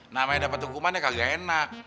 namanya dapet hukumannya kagak enak